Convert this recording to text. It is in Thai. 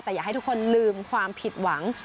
แต่อยากให้ทุกคนลืมความผิดหวัง